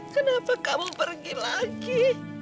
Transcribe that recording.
kenapa kamu pergi lagi